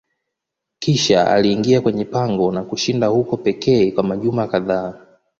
Kisha aliingia kwenye pango na kushinda huko pekee kwa majuma kadhaa.